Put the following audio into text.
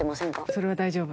それは大丈夫。